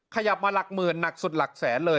ขยับมาหลักหมื่นหนักสุดหลักแสนเลย